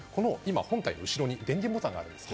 本体の後ろに電源ボタンがあります。